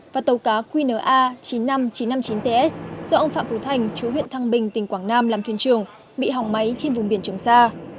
và tàu cá qna chín mươi năm nghìn chín trăm năm mươi chín ts do ông phạm phú thành chú huyện thăng bình tỉnh quảng nam làm thuyền trường bị hỏng máy trên vùng biển trường sa